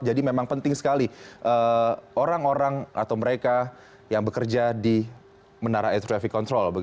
jadi memang penting sekali orang orang atau mereka yang bekerja di menara air traffic control